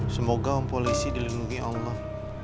semoga polisi dilindungi allah